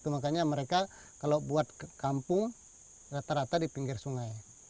makanya mereka kalau buat kampung rata rata di pinggir sungai